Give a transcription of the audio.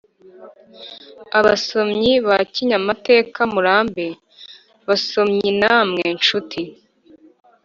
abasomyi ba kinyamateka murambe. basomyinamwe nshuti,